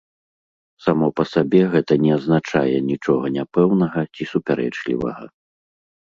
Само па сабе гэта не азначае нічога няпэўнага ці супярэчлівага.